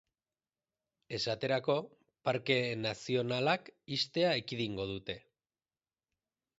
Esaterako, parke nazioanak ixtea ekidingo dute.